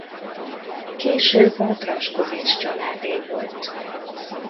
Később a Draskovich családé volt.